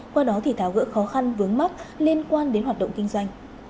qua đó thì tháo gỡ khó khăn vướng mắt liên quan đến hoạt động kinh doanh